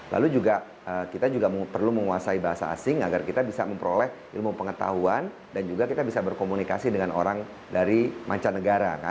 lalu juga kita juga perlu menguasai bahasa asing agar kita bisa memperoleh ilmu pengetahuan dan juga kita bisa berkomunikasi dengan orang dari mancanegara